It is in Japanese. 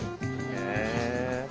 へえ。